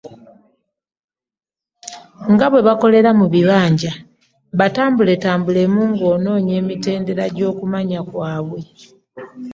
Nga bwe bakolera mu bibinja, batambuletambulemu ng’onoonya emitendera gy’okumanya kwabwe.